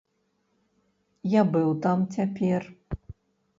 Я быў там цяпер.